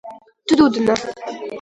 трудно